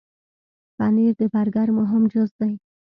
پنېر د برګر مهم جز دی.